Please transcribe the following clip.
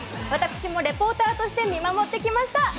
私もレポーターとして見守ってきました。